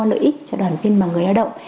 lợi ích cho đoàn viên và người lao động